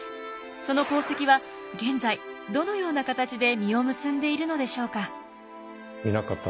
その功績は現在どのような形で実を結んでいるのでしょうか？